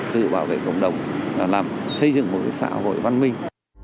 tự bảo vệ cộng đồng làm xây dựng một xã hội văn minh